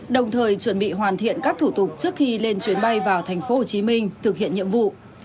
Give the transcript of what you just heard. đồng thời chuẩn bị hoàn thiện các thủ tục trước khi lên chuyến bay vào tp hcm thực hiện nhiệm vụ